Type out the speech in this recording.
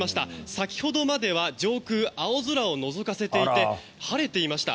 先ほどまでは上空、青空をのぞかせていて晴れていました。